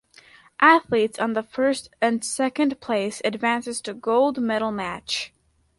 Athletes on the first and second place advances to gold medal match.